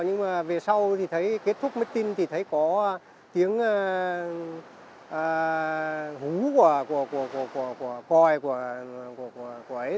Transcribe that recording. nhưng mà về sau thì thấy kết thúc mới tin thì thấy có tiếng hú của bòi của ấy